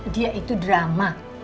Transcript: dia itu drama